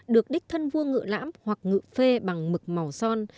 được đích thân vua ngự lãm hoặc ngự phê bằng mực màu son